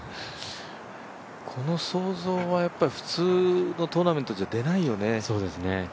この想像は普通のトーナメントじゃ出ないよね。